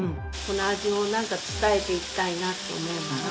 この味をなんか伝えていきたいなと思うなあ。